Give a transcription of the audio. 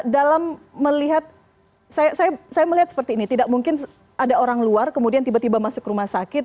dalam melihat saya melihat seperti ini tidak mungkin ada orang luar kemudian tiba tiba masuk rumah sakit